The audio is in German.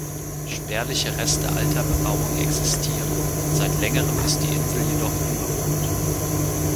Spärliche Reste alter Bebauung existieren; seit Längerem ist die Insel jedoch unbewohnt.